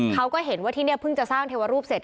เขาก็เห็นว่าที่นี่เพิ่งจะสร้างเทวรูปเสร็จ